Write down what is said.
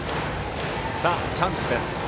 さあ、チャンスです。